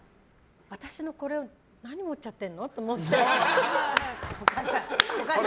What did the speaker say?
私のこれを何持っちゃってんの？って思って。